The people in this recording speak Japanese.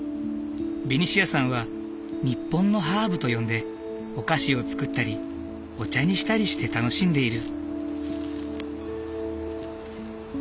ベニシアさんは日本のハーブと呼んでお菓子を作ったりお茶にしたりして楽しんでいる。